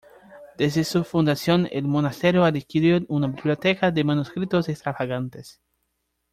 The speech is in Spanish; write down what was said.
Desde su fundación, el monasterio adquirió una biblioteca de manuscritos extravagantes.